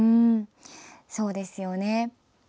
そうですよね。